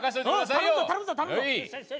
うん頼むぞ頼むぞ頼むぞ。